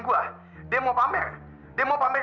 aku n mins acuerdo sama dia yang